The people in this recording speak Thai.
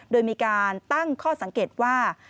โดยมีการตั้งข้อสังเกตว่า